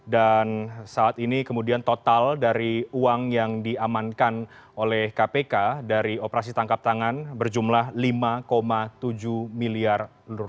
dan saat ini kemudian total dari uang yang diamankan oleh kpk dari operasi tangkap tangan berjumlah rp lima tujuh miliar